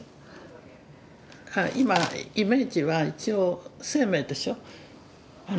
今イメージは一応生命でしょ。